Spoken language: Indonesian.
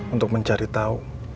untuk mencari tahu